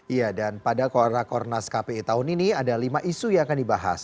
iya dan pada kora kornas kpi tahun ini ada lima isu yang akan dibahas